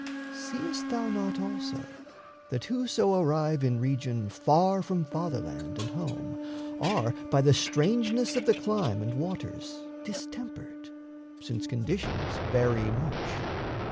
Seest thou not, also, that whoso arrive In region far from fatherland and home Are by the strangeness of the clime and waters Distempered? since conditions vary much.